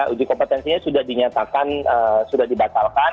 uji kompetensinya sudah dinyatakan sudah dibatalkan